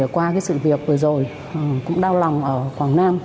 qua sự việc vừa rồi cũng đau lòng ở quảng nam